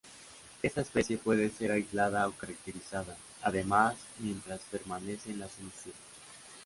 Esta especie puede ser aislada o caracterizada, además, mientras permanece en la solución.